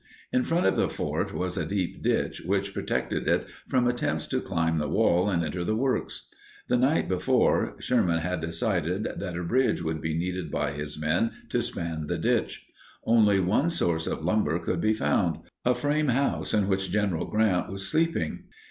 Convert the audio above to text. In front of the fort was a deep ditch which protected it from attempts to climb the wall and enter the works. The night before, Sherman had decided that a bridge would be needed by his men to span the ditch. Only one source of lumber could be found—a frame house in which General Grant was sleeping.